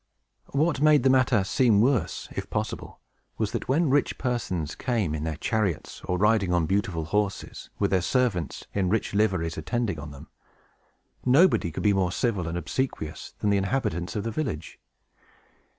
What made the matter seem worse, if possible, was that when rich persons came in their chariots, or riding on beautiful horses, with their servants in rich liveries attending on them, nobody could be more civil and obsequious than the inhabitants of the village.